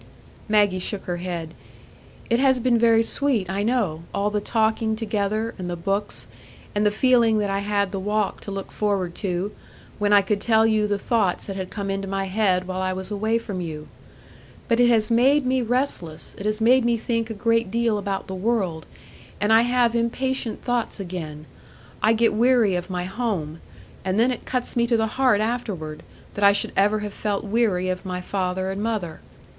Maggie shook her head. "It has been very sweet, I know,—all the talking together, and the books, and the feeling that I had the walk to look forward to, when I could tell you the thoughts that had come into my head while I was away from you. But it has made me restless; it has made me think a great deal about the world; and I have impatient thoughts again,—I get weary of my home; and then it cuts me to the heart afterward, that I should ever have felt weary of my father and mother.